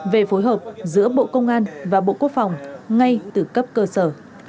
về phối hợp giữa bộ công an và bộ quốc phòng ngay từ cấp cơ sở